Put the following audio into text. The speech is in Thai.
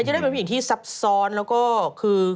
จะได้เป็นผู้หญิงที่ซับซ้อนแล้วก็คือ